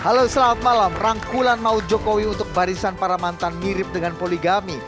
halo selamat malam rangkulan maut jokowi untuk barisan para mantan mirip dengan poligami